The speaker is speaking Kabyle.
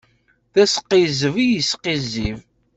D asqizzeb i yesqizzib.